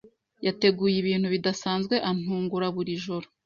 yateguye ibintu bidasanzwe antungura buri joro